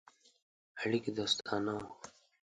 اړیکي دوستانه وه.